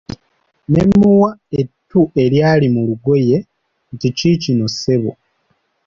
Ne mmuwa ettu eryali mu lugoye nti kiikino ssebo.